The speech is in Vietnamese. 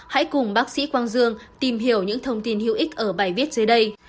hãy cùng bác sĩ quang dương tìm hiểu những thông tin hữu ích ở bài viết dưới đây